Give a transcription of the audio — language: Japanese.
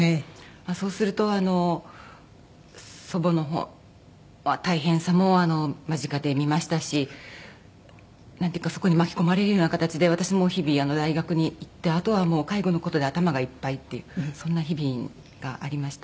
そうすると祖母の大変さも間近で見ましたしなんていうかそこに巻き込まれるような形で私も日々大学に行ってあとはもう介護の事で頭がいっぱいっていうそんな日々がありました。